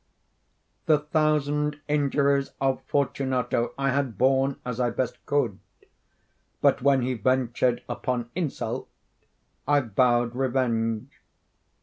The thousand injuries of Fortunato I had borne as I best could; but when he ventured upon insult, I vowed revenge.